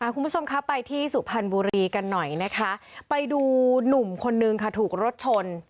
คุณผู้ชมครับไปที่สุพรรณบุรีกันหน่อยนะคะไปดูหนุ่มคนนึงค่ะถูกรถชน